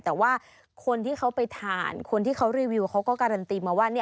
แต่ว่าคนที่เขาไปทานคนที่เขารีวิวเขาก็การันตีมาว่า